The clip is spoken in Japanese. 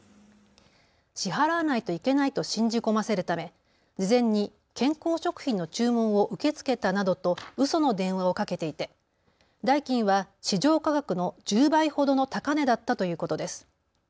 支払わないといけないと信じ込ませるため事前に健康食品の注文を受け付けたなどとうその電話をかけていて代金は市場価格の１０倍ほどの高値だったということです。